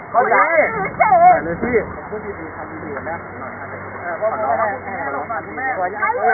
ขอบคุณที่ทำดีดีกับแม่ของฉันหน่อยครับ